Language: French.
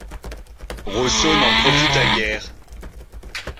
Rosso n'en profita guère.